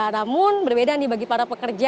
namun berbeda nih bagi para pekerja